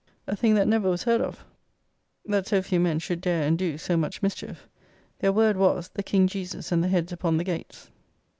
A thing that never was heard of, that so few men should dare and do so much mischief. Their word was, "The King Jesus, and the heads upon the gates."